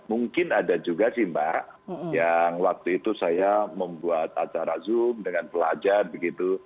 mungkin ada juga sih mbak yang waktu itu saya membuat acara zoom dengan pelajar begitu